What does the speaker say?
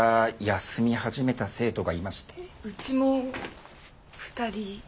うちも２人。